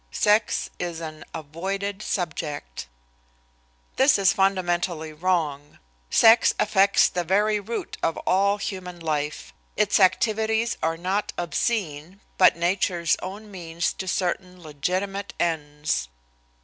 Sex is an "Avoided Subject." This is fundamentally wrong. Sex affects the very root of all human life. Its activities are not obscene, but Nature's own means to certain legitimate ends.